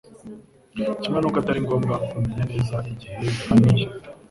Kimwe n'uko atari ngombwa kumenya neza igihe bihaniye.